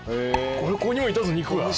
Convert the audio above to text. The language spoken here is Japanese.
ここにもいたぞ肉が。